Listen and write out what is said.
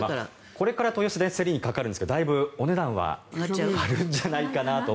これから豊洲で競りにかかるんですがだいぶお値段はするんじゃないかと。